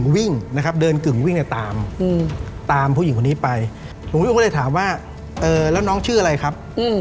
วิ่งในตามตามผู้หญิงคนนี้ไปผมก็เลยถามว่าเออแล้วน้องชื่ออะไรครับ